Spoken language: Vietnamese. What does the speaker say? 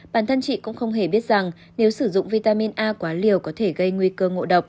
bản thân chị cũng không hề biết rằng nếu sử dụng vitamin a quá liều có thể gây nguy cơ ngộ độc